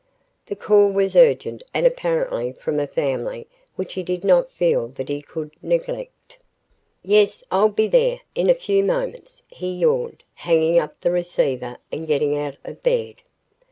The call was urgent and apparently from a family which he did not feel that he could neglect. "Yes, I'll be there in a few moments," he yawned, hanging up the receiver and getting out of bed.